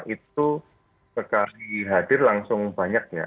itu sekali hadir langsung banyak ya